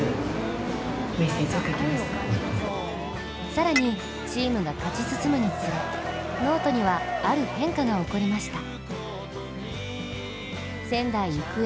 更に、チームが勝ち進むにつれノートには、ある変化が起こりました。